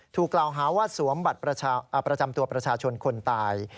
ถูกกล่าวหาว่าสวมบัตรประจำตัวประชาชนคนตาย